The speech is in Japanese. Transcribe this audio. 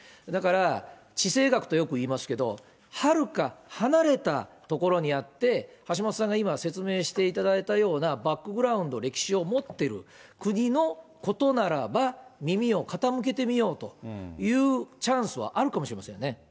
だから地政学とよく言いますけれども、はるか離れた所にあって、橋下さんが今、説明していただいたようなバックグラウンド、歴史を持っている国のことならば耳を傾けてみようというチャンスはあるかもしれませんね。